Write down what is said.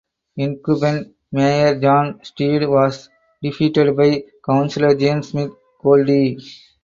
Incumbent mayor John Stead was defeated by councillor James Smith Goldie.